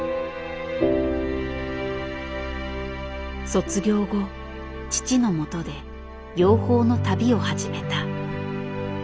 卒業後父のもとで養蜂の旅を始めた。